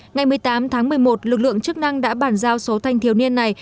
ngày một mươi tám tháng một mươi một lực lượng chức năng đã bản giao số thanh thiếu niên này